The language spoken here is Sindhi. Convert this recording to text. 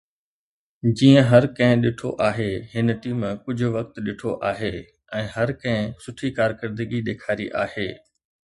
جيئن هر ڪنهن ڏٺو آهي، هن ٽيم ڪجهه وقت ڏٺو آهي ۽ هر ڪنهن سٺي ڪارڪردگي ڏيکاري آهي